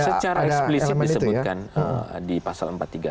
secara eksplisif disebutkan di pasal empat tiga